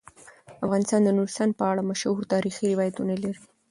افغانستان د نورستان په اړه مشهور تاریخی روایتونه لري.